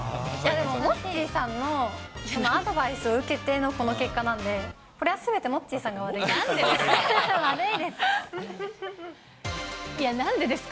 でも、モッチーさんのアドバイスを受けてのこの結果なんで、これはすべて、モッチーさんが悪いです。